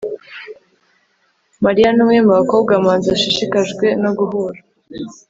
mariya numwe mubakobwa manzi ashishikajwe no guhura